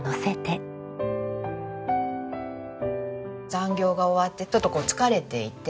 残業が終わってちょっとこう疲れていて。